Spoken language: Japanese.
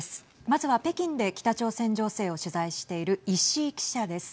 まずは北京で北朝鮮情勢を取材している石井記者です。